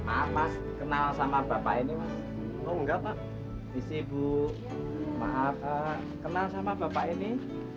apa kenal sama bapak ini enggak tak disibuk maaf kenal sama bapak ini